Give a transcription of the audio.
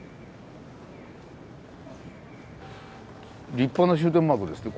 立派な終点マークですね。